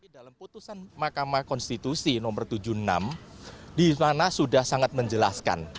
dalam putusan mahkamah konstitusi nomor tujuh puluh enam di mana sudah sangat menjelaskan